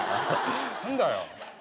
何だよ。